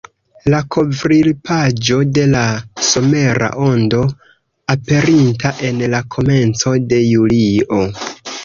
La kovrilpaĝo de la somera Ondo, aperinta en la komenco de julio.